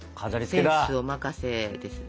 センスお任せですね。